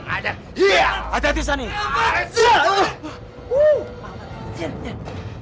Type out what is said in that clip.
adapin dulu anak buah buah san beri